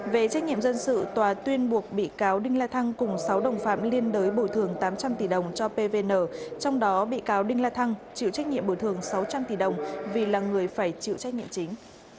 về trách nhiệm dân sự tòa tuyên buộc bị cáo đinh la thăng cùng sáu đồng phạm liên đới bồi thường tám trăm linh tỷ đồng cho pvn trong đó bị cáo đinh la thăng chịu trách nhiệm bồi thường sáu trăm linh tỷ đồng vì là người phải chịu trách nhiệm chính